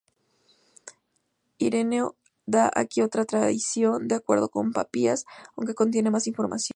Ireneo da aquí otra tradición de acuerdo con Papías, aunque contiene más información.